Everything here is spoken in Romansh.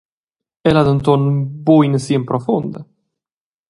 El ha denton buc ina sien profunda.